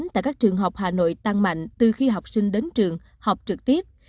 tại các trường học hà nội tăng mạnh từ khi học sinh đến trường học trực tiếp